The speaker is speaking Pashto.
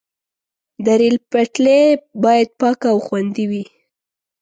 د ریل پټلۍ باید پاکه او خوندي وي.